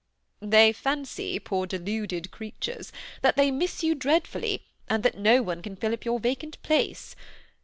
'^They fancy, poor deluded creatures, that they miss you dreadfully, and that no one can fill up your vacant place.